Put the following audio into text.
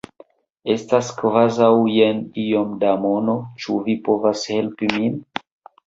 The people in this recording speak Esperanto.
Estas kvazaŭ jen iom da mono ĉu vi povas helpi min?